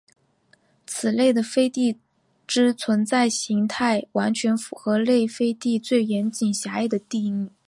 此类的飞地之存在型态完全符合内飞地最严谨狭义的定义。